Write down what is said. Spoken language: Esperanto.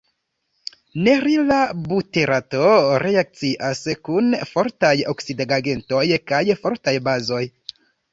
Nerila buterato reakcias kun fortaj oksidigagentoj kaj fortaj bazoj.